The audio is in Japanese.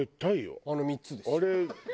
あの３つですよ。